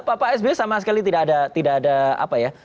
kalau pak psb sama sekali tidak ada apa ya